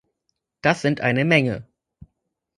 Das sind eine Menge.